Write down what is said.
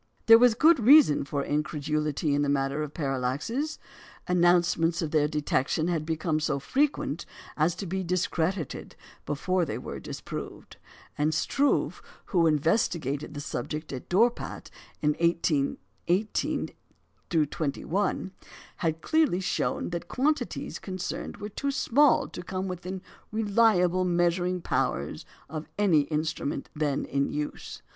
There was good reason for incredulity in the matter of parallaxes. Announcements of their detection had become so frequent as to be discredited before they were disproved; and Struve, who investigated the subject at Dorpat in 1818 21, had clearly shown that the quantities concerned were too small to come within the reliable measuring powers of any instrument then in use.